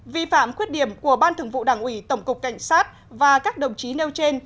vi phạm khuyết điểm của ban thường vụ đảng ủy tổng cục cảnh sát và các đồng chí nêu trên